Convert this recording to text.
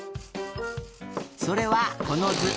それはこのず。